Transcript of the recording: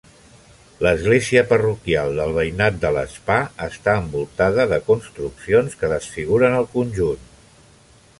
L'església parroquial del veïnat de l'Espà està envoltada de construccions que desfiguren el conjunt.